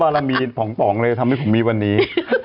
เพราะมีผ้องเลยคิดทำให้ผมมีวันนี้